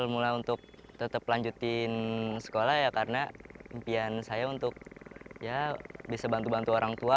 saya mulai untuk tetap lanjutkan sekolah karena impian saya untuk bisa bantu bantu orang tua